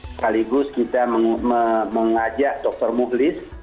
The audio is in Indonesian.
sekaligus kita mengajak dokter muhlis